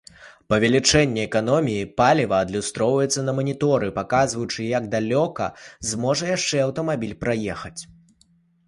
Павелічэнне эканоміі паліва адлюстроўваецца на маніторы, паказваючы, як далёка зможа яшчэ аўтамабіль праехаць.